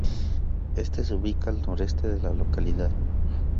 Este se ubica al noreste de la localidad.